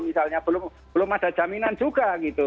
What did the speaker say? misalnya belum ada jaminan juga gitu